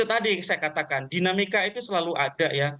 tadi saya katakan dinamika itu selalu ada ya